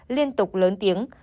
liên tục lớn tiếng